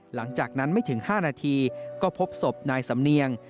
หลังจากนั้นไม่ถึง๕นาทีก็พบศพนายสำเนียง